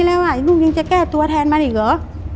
แล้วลูกยังจะแก้ตัวแทนมันอีกเหรอ